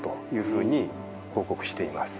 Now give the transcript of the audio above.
ふうに報告しています。